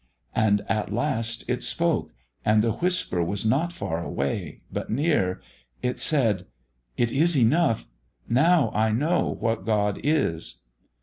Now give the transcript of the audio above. "And at last it spoke, and the whisper was not far away, but near. It said: "'It is enough; now I know what God is!'